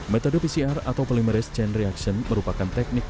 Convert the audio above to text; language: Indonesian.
metode pcr atau polimerase chain reaction merupakan teknik